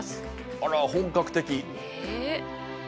あら、本格的。